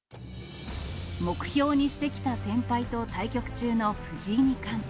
目標にしてきた先輩と対局中の藤井二冠。